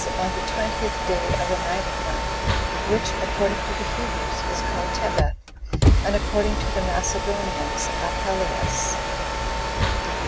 on the twentieth day of the ninth month, which, according to the Hebrews, is called Tebeth, and according to the Macedonians, Apelleius.